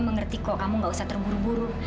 mengerti kok kamu gak usah terburu buru